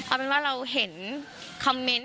เอาเป็นว่าเราเห็นคอมเมนต์